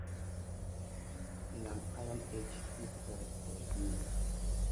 In the Iron Age, hill forts were built.